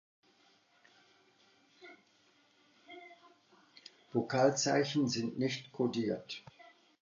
Vokalzeichen sind nicht kodiert.